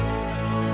bapak diikutin mobil